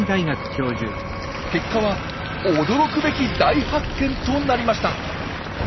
結果は驚くべき大発見となりました。